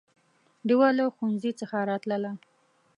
ډېوه له ښوونځي څخه راتلله